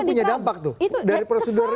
itu punya dampak tuh dari prosedur itu